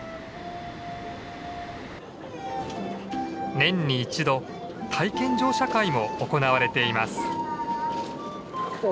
年に１度体験乗車会も行われています。